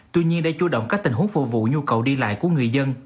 tuy nhiên để chủ động các tình huống phục vụ nhu cầu đi lại của người dân